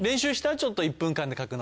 ちょっと１分間で描くの。